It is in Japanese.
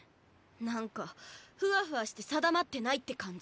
何かふわふわして定まってないって感じ。